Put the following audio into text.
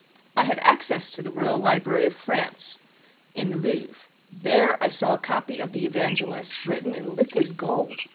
I had access to the Royal Library of France, in the Louvre. There I saw a copy of the Evangelists, written in liquid gold!